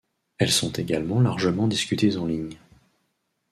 Elles sont également largement discutées en ligne.